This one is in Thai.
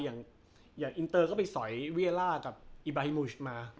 อย่างอินเตอร์ก็ไปสอยเวียล่ากับอิบราฮิมูชมา